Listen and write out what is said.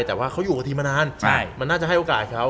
แต่ว่าเขาอยู่กับทีมมานานมันน่าจะให้โอกาสเขา